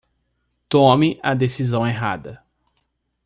Tome a decisão errada